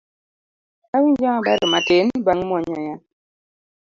Awinjo maber matin bang' muonyo yath